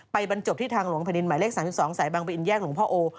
บรรจบที่ทางหลวงแผ่นดินหมายเลข๓๒สายบางปะอินแยกหลวงพ่อโอ